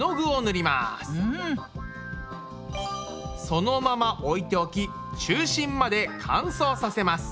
そのまま置いておき中心まで乾燥させます。